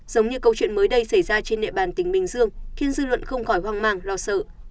giống như câu chuyện mới đây xảy ra trên địa bàn tỉnh bình dương khiến dư luận không khỏi hoang mang lo sợ